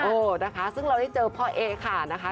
เออนะคะซึ่งเราได้เจอพ่อเอ๊ค่ะนะคะ